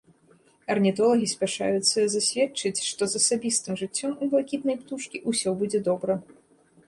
Арнітолагі спяшаюцца засведчыць, што з асабістым жыццём у блакітнай птушкі ўсё будзе добра.